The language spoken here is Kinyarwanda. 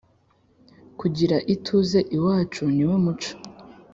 kugira ituze iwacu. niwo muco